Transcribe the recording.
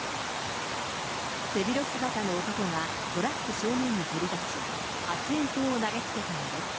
背広姿の男がトラック正面に飛び出し、発煙筒を投げつけたのです。